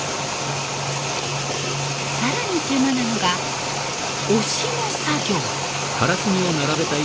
更に手間なのが押しの作業。